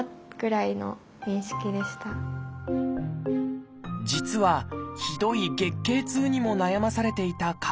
実はひどい月経痛にも悩まされていた加藤さん。